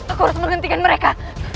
aku harus menghentikan mereka